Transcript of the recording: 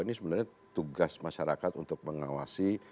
ini sebenarnya tugas masyarakat untuk mengawasi